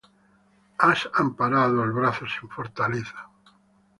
¿Has amparado al brazo sin fortaleza?